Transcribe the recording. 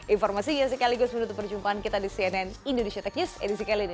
informasinya sekaligus menutup perjumpaan kita di cnn indonesia tech news edisi kali ini